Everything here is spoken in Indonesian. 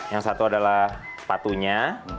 yang satu adalah sepatunya